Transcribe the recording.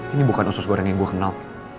ini bukan usus goreng yang gue kenal